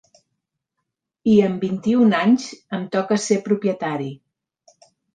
I amb vint-i-un anys em toca ser propietari.